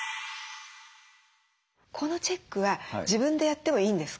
このチェックは自分でやってもいいんですか？